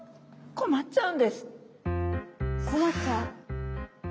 困っちゃう。